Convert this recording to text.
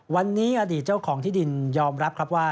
วันนี้อดีตเจ้าของที่ดินยอมรับครับว่า